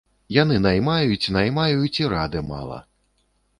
Яны наймаюць, наймаюць і рады мала.